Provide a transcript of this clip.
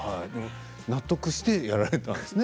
納得して、やられたんですね。